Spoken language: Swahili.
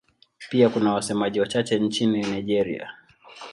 Pia kuna wasemaji wachache nchini Nigeria.